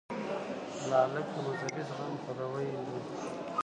لاک د مذهبي زغم پلوی و.